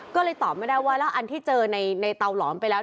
ก็เลยตอบไม่ได้ว่าแล้วอันที่เจอในเตาหลอมไปแล้ว